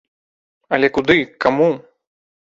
Але куды, к каму?